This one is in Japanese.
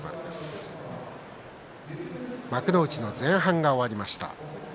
幕内の前半が終わりました。